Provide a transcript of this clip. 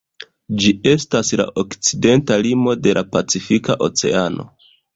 Ĝi estas la okcidenta limo de la Pacifika Oceano.